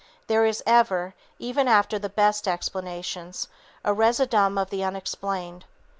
There is ever, even after the best explanations, a residuum of the unexplained.